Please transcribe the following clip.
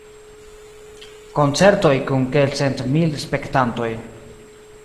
Koncertoj kun kelkcentmil spektantoj.